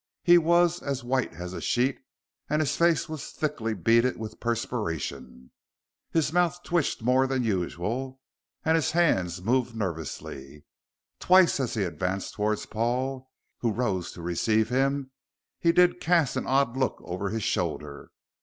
He was as white as a sheet, and his face was thickly beaded with perspiration. His mouth twitched more than usual, and his hands moved nervously. Twice as he advanced towards Paul, who rose to receive him, did he cast the odd look over his shoulder.